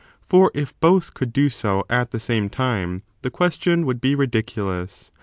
for if both could do so at the same time, the question would be ridiculous.